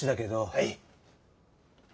はい。